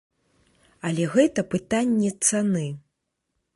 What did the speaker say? Але гэта пытанне цаны.